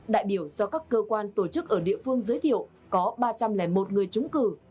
đại biểu do các cơ quan tổ chức ở địa phương giới thiệu có ba trăm linh một người trúng cử